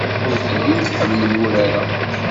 Ur tellim tḥemmlem urar-a.